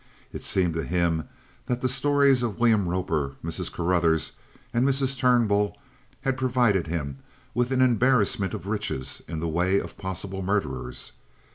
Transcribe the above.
It seemed to him that the stories of William Roper, Mrs. Carruthers, and Mrs. Turnbull had provided him with an embarrassment of riches in the way of possible murderers.